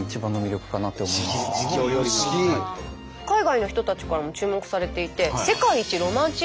海外の人たちからも注目されていてええ！